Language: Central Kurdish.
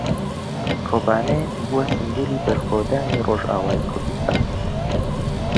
کۆبانێ بووە سمبولی بەرخۆدانی ڕۆژاوای کوردستان.